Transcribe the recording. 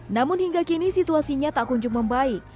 namun hingga kini situasinya tak kunjung membaik